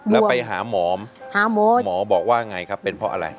แล้วไปหาหมอหาหมอหมอบอกว่าไงครับเป็นเพราะอะไร